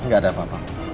gak ada apa apa